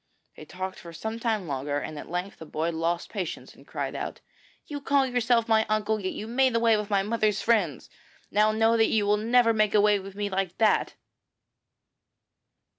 They talked for some time longer, and at length the boy lost patience and cried out: 'You call yourself my uncle, yet you made away with my mother's friends. Now know that you will never make away with me like that.'